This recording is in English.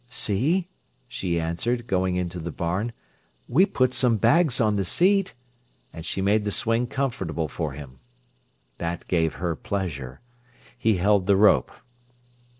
"See," she answered, going into the barn, "we put some bags on the seat;" and she made the swing comfortable for him. That gave her pleasure. He held the rope.